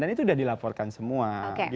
dan itu sudah dilaporkan semua